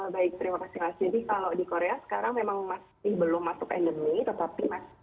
baik terima kasih mas jadi kalau di korea sekarang memang masih belum masuk endemi tetapi mas